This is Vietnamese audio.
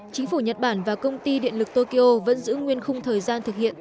chính phủ nhật bản và công ty điện lực tokyo vẫn giữ nguyên khung thời gian thực hiện